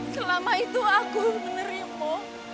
selama itu aku menerima